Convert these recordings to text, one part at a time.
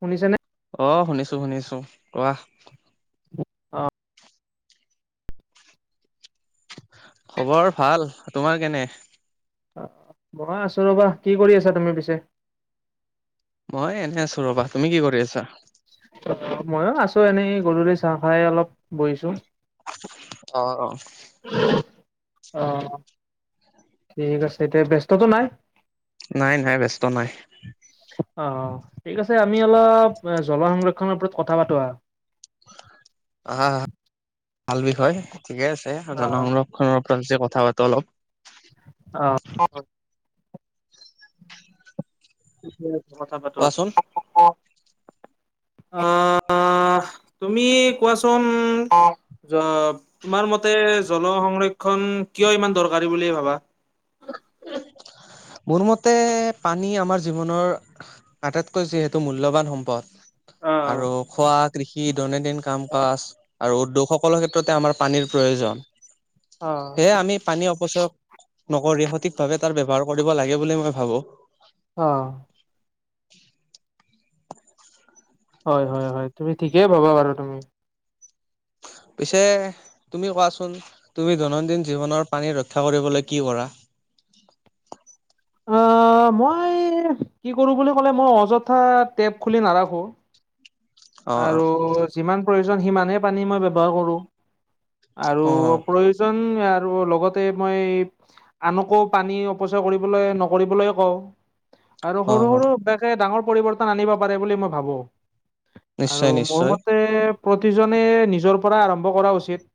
শুনিছেনে? অ শুনিছো শুনিছো কোৱা। অ খবৰ ভাল তোমাৰ কেনে বহা আছো ৰবা কি কৰি আছা তুমি পিছে? হয় এনে আছোঁ ৰ'বা! তুমি কি কৰি আছা? মইয়ো আছো এনেই গধূলি চাহ খাই অলপ বহিছো। অ অ অ ঠিক আছে এতিয়া ব্যস্ততো নাই। নাই নাই ব্যস্ত নাই। অ অ ঠিক আছে আমি অলপ জল সংৰক্ষনৰৰ ওপৰত কথা পাতো আৰু হা ভাল বিষয় ঠিকে আছে। অ', জনসৰক্ষণৰ তাৰপিছত কথা পাতো অলপ অ'। কথা পাতো আহ কোৱাচোন অ অ তুমি কোৱাচোন অ জ তোমাৰ মতে মতে জল সংৰক্ষণ কিয় ইমান দৰকাৰী বুলি ভাবা মোৰ মতে পানী আমাৰ জীৱনৰ আটাইতকৈ যিহেতু মূল্যৱান সম্পদ অ'। আৰু খোৱা কৃষি দৈনন্দিন কাম কাজ আৰু উদ্যোগসকলৰ ক্ষেত্ৰতে আমাৰ পানীৰ প্ৰয়োজন অ', সেয়ে আমি পানী অপচয়ক নকৰি সঠিক ভাৱে তাৰ ব্যৱহাৰ কৰিব লাগে বুলি মই ভাবো অ হয় হয় হয় তুমি ঠিকেই পাবা বাৰু তুমি পিছে তুমি কোৱাচোন তুমি দৈনন্দিন জীৱনৰ পানী ৰক্ষা কৰিবলৈ কি কৰা আহ মই কি কৰো বুলি ক'লে মই অযথা টেপ খুলি নাৰাখো অ আৰু যিমান প্ৰয়োজন সিমানে পানী মই ব্যৱহাৰ কৰোঁ আৰু অ প্ৰয়োজন আৰু লগতে মই আনকো পানী অপচয় কৰিবলৈ নকৰিবলৈ কওঁ আৰু অ অ সৰু সৰুা অভ্যাসে ডাঙৰ পৰিৱৰ্তন আনিব পাৰে বুলি মই ভাবো আৰু নিশ্চয় মোৰ নিশ্চয় মতে প্ৰতিজনে নিজৰ পৰা আৰম্ভ কৰা উচিত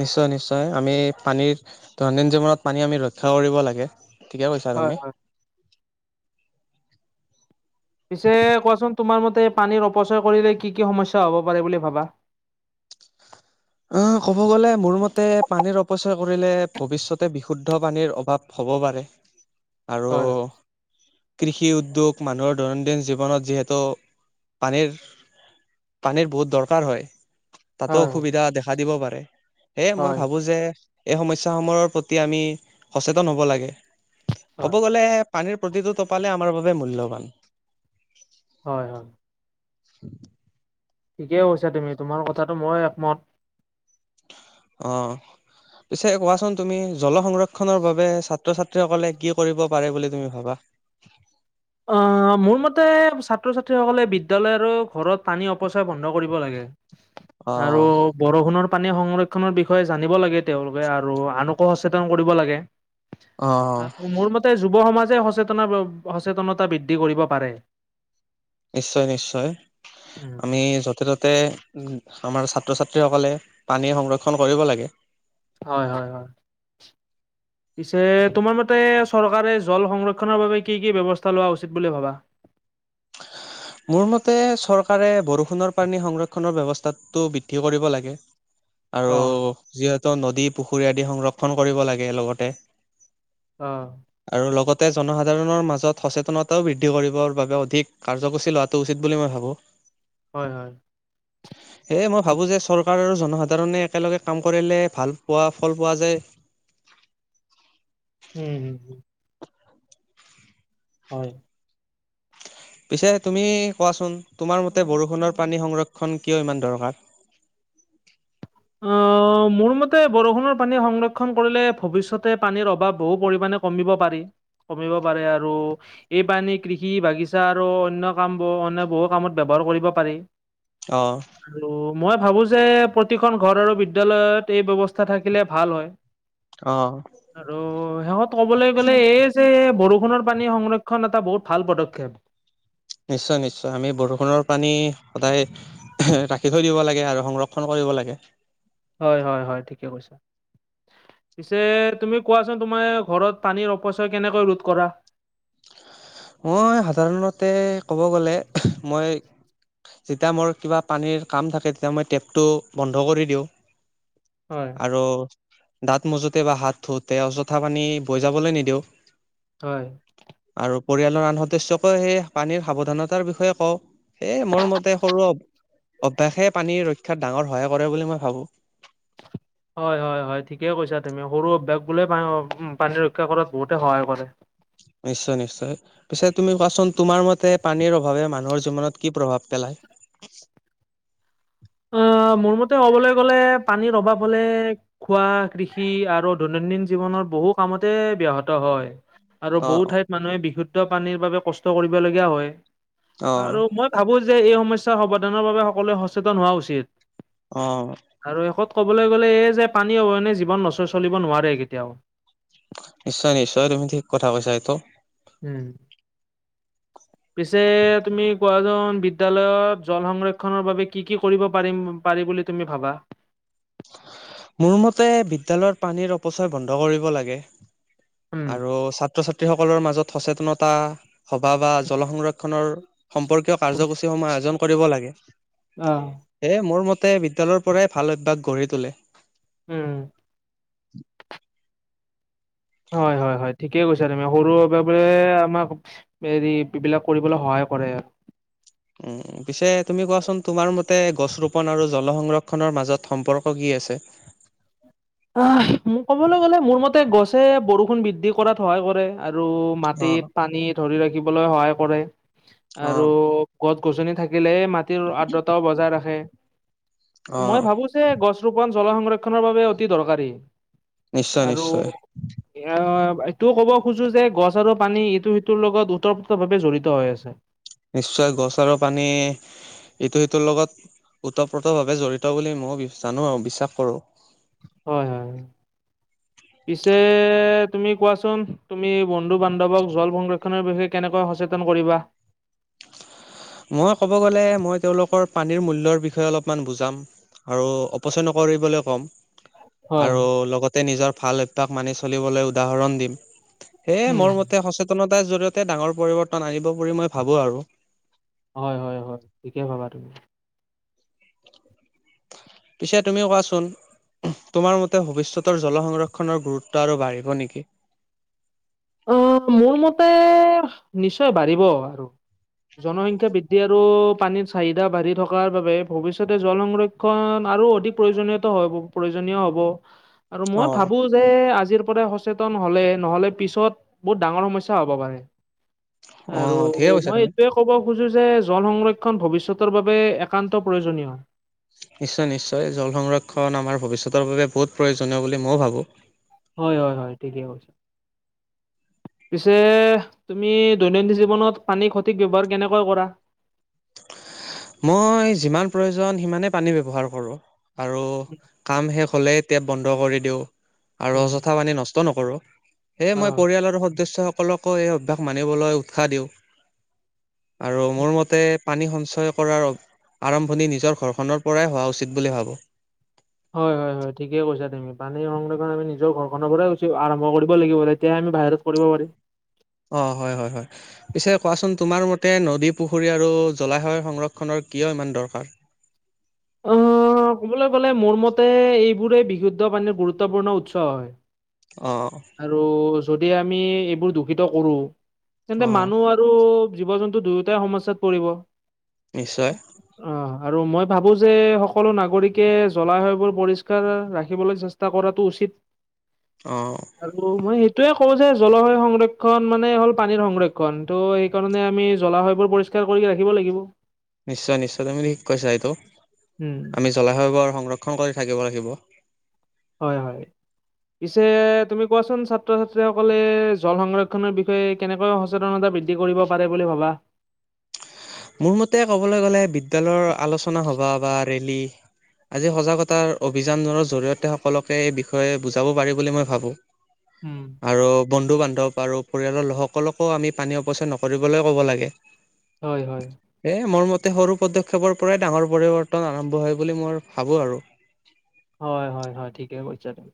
নিশ্চয় নিশ্চয় আমি পানীৰ দৈনন্দন্দিন জীৱনত পানী আমি ৰক্ষা কৰিব লাগে ঠিকে কৈছা হয় তুমি হয়। পিছে কোৱাচোন তোমাৰ মতে পানীৰ অপচয় কৰিলে কি কি সমস্যা হ'ব পাৰে বুলি ভাবা অ ক'ব গ'লে মোৰ মতে পানীৰ অপচয় কৰিলে ভৱিষ্যতে বিশুদ্ধ পানীৰ অভাৱ হ'ব হ'ব পাৰে আৰু হয় [unintelligible] কৃষি উদ্যোগ মানুহৰ দৈনন্দিন জীৱনত যিহেতু পানীৰ পানীৰ বহুত দৰকাৰ হয় তাতো হয় অসুবিধা দেখা দিব পাৰে সেয়ে মই হয় ভাবো যে এই সমস্যা সমূহৰ প্ৰতি আমি সচেতন হব লাগে হয় ক'ব গলে পানীৰ প্ৰতিটো টুপালে আমাৰ বাবে মূল্যবান হয় হয় [unintelligible] [inaudible] ঠিকেই কৈছা তুমি তোমাৰ কথাটো মই একমত অ পিছে কোৱাচোন তুমি জল সংৰক্ষনৰৰ বাবে ছাত্ৰ ছাত্ৰীসকলে কি কৰিব পাৰে বুলি তুমি ভাবা অ মোৰ মতে ছাত্ৰ ছাত্ৰীসকলে বিদ্যালয় আৰু ঘৰত টানী অপচয় বন্ধ কৰিব লাগে আৰু অ' বৰষুণৰ পানী সংৰক্ষনৰৰ বিষয়ে জানিব লাগে তেওঁলোকে আৰু আনকো সচেতন কৰিব লাগে অ' মোৰ মতে যুৱ সমাজে সচেতন সচেতনতা বৃদ্ধি কৰিব পাৰে নিশ্চয় নিশ্চয় উম, আমি য'তে ত'তে উ আমাৰ ছাত্ৰ ছাত্ৰীসকলে পানী সংৰক্ষণ কৰিব লাগে হয় হয় হয় পিছে তোমাৰ মতে চৰকাৰে জল সংৰক্ষণৰ বাবে কি কি ব্যৱস্থা লোৱা উচিত বুলি ভাবা মোৰ মতে চৰকাৰে বৰষুণৰ পানী সংৰক্ষণৰ ব্যৱস্থাতটো বৃদ্ধি কৰিব লাগে অ আৰু যিহেতু নদী পুখুৰী আদি সংৰক্ষণ কৰিব লাগে লগতে আহ তে জনসাধাৰণৰ মাজত সচেতনতাও বৃদ্ধি কৰিবৰ বাবে অধিক কাৰ্যসূচী লোৱাটো উচিত বুলি মই ভাবোঁ হয় হয় সেয়ে মই ভাবোঁ যে চৰকাৰ আৰু জনসাধাৰণে একেলগে কাম কৰিলে ভাল পোৱা ফল পোৱা যায় উম হ হয়- পিছে তুমি কোৱাচোন তোমাৰ মতে বৰষুণৰ পানী সংৰক্ষণ কিয় ইমান দৰকাৰ- অ- অ মোৰ মতে বৰষুণৰ পানী সংৰক্ষণ কৰিলে ভৱিষ্যতে পানীৰ অভাৱ বহু পৰিমণে কমিব পাৰি- কমিব পাৰে আৰু এই পানী কৃষি বাগিছা আৰু অন্য কাম ব অন বহু কামত ব্যৱহাৰ- কৰিব পাৰি- আহ- আৰু মই ভাবোঁ যে প্ৰতিখন ঘৰ আৰু বিদ্যালয়ত এই ব্যৱস্থা থাকিলে ভাল হয়- অ', আৰু শেষত ক'বলৈ গ'লে এই যে বৰষুণৰ পানী সংৰক্ষণ - ষণ এটা বহুত ভাল পদক্ষেপ- নিশ্চয় নিশ্চয় আমি বৰষুণৰ পানী সদায়- ৰাখি থৈ দিব লাগে আৰু সংৰক্ষণ কৰিব লাগে- হয় হয় হয় ঠিকে কৈছে- পিছে তুমি কোৱাচোন তোমাৰ ঘৰত পানীৰ অপচয় কেনেকৈ ৰোধ কৰা- [inaudible] মই সাধাৰণতে ক'ব গলে মই- যেতিয়া মোৰ কিবা পানীৰ কাম থাকে তেতিয়া মই টেপটো বন্ধ কৰি দিওঁ- হয়, আৰু- দাঁত মজোতে বা হাত ধুতে অযথা পানী বৈ যাবলৈ নিদিওঁ- হয়- আৰু পৰিয়ালৰ আন সদস্যকে সেই পানীৰ সাৱধানতাৰ বিষয়ে কওঁ সে মোৰ মতে সৰু- অভ্যাসে পানী ৰক্ষাত ডাঙৰ সহায় কৰে বুলি মই ভাবোঁ - [unintelligible] [inaudible] হয় হয় হয় ঠিকেই কৈছা তুমি সৰু অভ্যাস বো পানী ৰক্ষা কৰাত বহুতে সহায় কৰে- নিশ্চয় নিশ্চয় পিছে তুমি কোৱাচোন তোমাৰ মতে পানীৰ অভাৱে মানুহৰ জীৱনত কি প্ৰভাৱ পেলায়- [inaudible] উম- [unintelligible] মোৰ মতে ক'বলৈ গ'লে পানীৰ অভাৱ হলে খোৱা কৃষি আৰু দৈনন্দিন জীৱনৰ- বহু কামতে ব্যাহত হয়- আৰু অ বহু ঠাইত মানুহে বিশুদ্ধ পানীৰ বাবে কষ্ট কৰিবলগীয়া হয়- অ আৰু মই ভাবোঁ যে এই সমস্যাৰ সমাধানৰ বাবে সকলোৱে সচেতন হোৱা উচিত- অ- আৰু শেষত ক'বলৈ গ'লে এই যে পানী অবিহনে জীৱন নচ চলিব নোৱাৰে কেতিয়াও- নিশ্চয় নিশ্চয় তুমি ঠিক কথা কৈছা এইটো- উম পিছে তুমি- কোৱাচোন বিদ্যালয়ত জল সংৰক্ষনৰৰ বাবে কি কি কৰিব পাৰিম পাৰি বুলি তুমি ভাবা- মোৰ মতে বিদ্যালয়ত পানীৰ অপচয় বন্ধ কৰিব লাগে- উম। আৰু ছাত্ৰ ছাত্ৰীসকলৰ মাজত সচেতনতা সভা বা জল সংৰক্ষণৰ- সম্পৰ্কীয় কাৰ্যসূচীসমূহ আয়োজন কৰিব লাগে অহ। এয়ে মোৰ মত- তে বিদ্যালয়ৰ পৰাই ভাল অভ্যাস গঢ়ি তোলে- উম- উ [inaudible] হয় হয় হয় ঠিকে কৈছা তমি সৰু বাবে বোৰে আমাক হেৰি এইবিলাক কৰিবলৈ সহায়- কৰে। উম পিছে তুমি কোৱাচোন তোমাৰ মতে গছ ৰোপন আৰু জ- জল -সংৰক্ষণৰ মাজত সম্পূৰ্ণ কি আছে? আহ মোক ক'বলৈ গ'লে মোৰ মতে গছে বৰষুণ বৃদ্ধি কৰাত সহায় কৰে- আৰু অ মাটিত পানী ধৰি ৰাখিবলৈ সহায় কৰে অ আৰু গছ- গছনি থাকিলেই মাটিৰ আৰ্দ্ৰতাও বজাই ৰাখে- অ মই ভাবোঁ যে গছ ৰোপন জল সংৰক্ষনৰৰ বাবে অতি দৰকাৰী- নিশ্চয় আৰু নিশ্চয় এ তটো ক'ব খোজো যে গছ আৰু পানী ইটো সিটোৰ লগত উত্তৰপ্ৰত ভাৱে জড়িত হৈ আছে নিশ্চয় গছ আৰু পানী এইটো সিটোৰ লগত ওতঃপ্ৰোতভাৱে জড়িত বুলি মই জানো আৰু বিশ্বাস কৰো হয় হয় পিছে তুমি কোৱাচোন তুমি বন্ধু বান্ধৱক জল সংৰক্ষনৰৰ বিষয়ে কেনেকৈ সচেতন কৰিবা মই ক'ব গ'লে মই তেওঁলোকৰ পানীৰ মূল্যৰ বিষয়ে অলপমান বুজাম আৰু অপচয় নকৰিবলৈ ক'ম হয়, আৰু লগতে নিজৰ ভাল অভ্যাস মানি চলিবলৈ উদাহৰণ দিম সেয়ে উম, মোৰ মতে সচেতনতাৰ জৰিয়তে ডাঙৰ পৰিৱৰ্তন আনিব বুলি মই ভাবো আৰু হয় হয় হয় ঠিকে ভাবা তুমি [unintelligible] পিছে তুমিও কোৱাচোন তোমাৰ মতে ভৱিষ্যতৰ জলসৰক্ষণৰ গুৰুত্ব আৰু বাঢ়িব নেকি? আহ মোৰ মতে নিশ্চয় বাঢ়িব আৰু জনসংখ্যা বৃদ্ধি আৰু পানীৰ চাহিদা বাঢ়ি থকাৰ বাবে ভৱিষ্যতে জল সংৰক্ষণ আৰু অধিক প্ৰয়োজনীয়ত হ প্ৰয়োজনীয় হ'ব আৰু মই অ', ভাবো যে আজিৰ পৰাই সচেতন হলে নহলে পিছত বহুত ডাঙৰ সমস্যা হব পাৰে আৰু অ', ঠিকে কৈছা মই তুমি। এইটোয়ে ক'ব খোজো যে জল সংৰক্ষণ ভৱিষ্যতৰ বাবে একান্ত প্ৰয়োজনীয় নিশ্চয় নিশ্চয় জল সংৰক্ষণ আমাৰ ভৱিষ্যতৰ বাবে বহুত প্ৰয়োজনীয় বুলি ময়ো ভাবোঁ হয় হয় হয় ঠিকে [unintelligible] পিছে তুমি দৈনন্দিন জীৱনত পানীৰ সঠিক ব্যৱহাৰ কেনেকৈ কৰা [unintelligible] মই যিমান প্ৰয়োজন সিমানেই পানী ব্যৱহাৰ কৰো আৰু কাম শেষ হ'লেই টেপ বন্ধ কৰি দিও আৰু উম অযথা পানী নষ্ট নকৰোঁ হে অ মই পৰিয়ালৰ সদস্যসকলকো এই অভ্যাস মানিবলৈ উৎসাহ দিওঁ আৰু মোৰ মতে পানী সঞ্চয় কৰাৰ আৰম্ভণি নিজৰ ঘৰখনৰ পৰাই হোৱা উচিত বুলি ভাবো হয় হয় হয় ঠিকে কৈছা তুমি পানী সংৰক্ষণ আমি নিজৰ ঘৰখনৰ পৰাইচি আৰম্ভ কৰিব লাগিব ব তেতিয়াই আমি বাহিৰত কৰিব পাৰিম অ হয় হয় হয় পিছে কোৱাচোন তোমাৰ মতে নদী পুখুৰী আৰু জলাশয় সংৰক্ষণৰ কিয় ইমান দৰকাৰ কলে মোৰ মতে এইবোৰে বিশুদ্ধ পানীৰ গুৰুত্বপূৰ্ণ উৎস হয় অ আৰু যদি আমি এইবোৰ দূষিত কৰো অ তেন্তে মানুহ আৰু জীৱ জন্তু দুয়োটাই সমস্যাত পৰিব নিশ্চয় অ আৰু মই ভাবো যে সকলো নাগৰিকে জলাশয়বোৰ পৰিষ্কাৰ ৰাখিবলৈ চেষ্টা কৰাটো উচিত স্কিপ অ আৰু মই সেইটোয়ে কও যে জলবায়ু সংৰক্ষণ মানে হ'ল পানীৰ সংৰক্ষণ ত' সেইকাৰণে আমি জ্বলা হয়বোৰ পৰিষ্কাৰ কৰি ৰাখিব লাগিব নিশ্চয় নিশ্চয় তুমি ঠিক কৈছা এইটো উম আমি জলাশয়বোৰ সংৰক্ষণ কৰি থাকিব লাগিব হয় হয় পিছে তুমি কোৱাচোন ছাত্ৰ ছাত্ৰীসকলে জল সংৰক্ষনৰ বিষয়ে কেনেকৈ সচেতনতা বৃদ্ধি কৰিব পাৰে বুলি ভাবা [inaudible] মোৰ মতে ক'বলৈ গ'লে বিদ্যালয়ৰ আলোচনা সভা বা ৰেলী আজি সজাগতাৰ অভিযানৰ জৰিয়তে সকলোকে এই বিষয়ে বুজাব পাৰি বুলি মই ভাবো উম আৰু বন্ধু বান্ধৱ আৰু পৰিয়ালৰ লোকসকলকো আমি পানী অপচয় নকৰিবলৈ ক'ব লাগে হয় হয়। এ মোৰ মতে সৰু পদক্ষেপৰ পৰাই ডাঙৰ পৰিৱৰ্তন আৰম্ভ হয় বুলি মই ভাবো আৰু- হয় হয় হয় ঠিকে কৈছা তুমি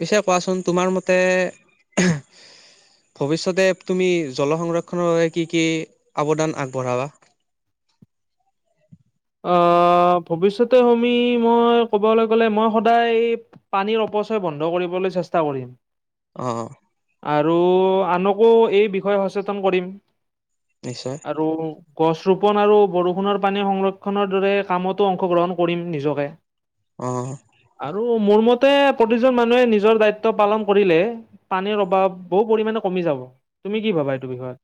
পিছে কোৱাচোন তোমাৰ মতে- ভৱিষ্যতে তুমি জল সংৰক্ষণৰ বাবে কি কি অৱদান আগবঢ়াবা। [inaudible] অ ভৱিষ্যতে মই কব গলে মই সদায় পানীৰ অপচয় বন্ধ কৰিবলে চেষ্টা কৰিম। অ আৰু আনকো এই বিষয়ে সচেতন কৰিম নিশ্চয় আৰু গছ ৰোপন আৰু বৰষুণৰ পানীৰ সংৰক্ষনৰ দৰে কামতো অংশগ্ৰহণ কৰিম নিজকে অ আৰু মোৰ মত তে প্ৰতিজন মানুহে নিজৰ দায়িত্ব পালন কৰিলে পানীৰ অভাৱ বহু পৰিমাণে কমি যাব। তুমি কি ভাবা এইটো বিষয়-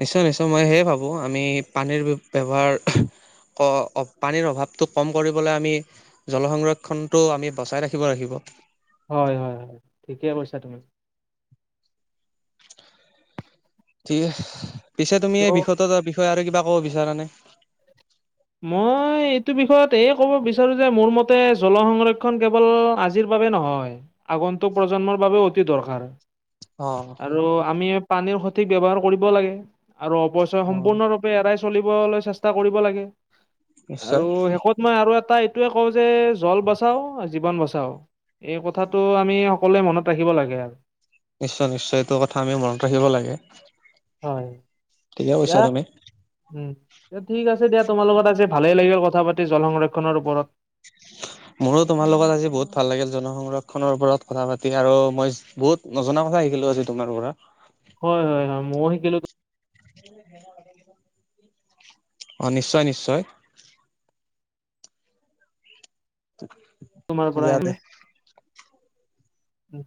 নিশ্চয় নিশ্চয় মই সেয়ে ভাবো আমি পানীৰ ব্য ব্যৱহাৰ- পানীৰ অভাৱটো কম কৰিবলৈ আমি জলসংৰক্ষণটো আমি বচাই ৰাখিব লাগিব হয় হয় হয় ঠিকে কৈছা তুমি - ঠিক পিছে ত' তুমি এই বিষয়টোৰ বিষয়ে আৰু কিবা ক'ব বিচাৰ নে। মই এইটো বিষয়ত এই ক'ব বিচাৰো যে মোৰ মতে জল সংৰক্ষণ কেৱল আজিৰ- নহয় আগন্তুক প্ৰজন্মৰ বাবেও অতি দৰকাৰ অ আৰু আমি পানীৰ সঠিক ব্যৱহাৰ কৰিব লাগে আৰু অৱশয় অ সম্পূৰ্ণৰূপে এৰাই চলিবলৈ চেষ্টা কৰিব লাগে। নিশ্চয়। আৰু শেষত মই আৰু এটা এইটোোৱে কওঁ যে জল বচাও জীৱন বচাও এই কথাটো আমি সকলোৱে মনত ৰাখিব লাগে আৰু- নিশ্চয় নিশ্চয় এইটো কথা আমি মনত ৰাখিব লাগে। হয়। তে যিয়ৈছা দিয়া তে উম ঠিক আছে দিয়া তোমালোকত আজ ভালেই লাগিল কথা পাতি জল সংৰক্ষনৰৰ ওপৰত [inaudible] মোৰো তোমাৰ লগত আজি বহুত ভাল লাগিল জন সংংৰক্ষনৰৰ ওপৰত কথা পাতি আৰু মই বহুত নজনা কথা থাকিলো আজি তোমাৰ পৰা হয় হয় হয় ময়ও শিকিলো। উ অ নিশ্চয় নিশ্চয়। তোমাৰ দিয়াতে উম।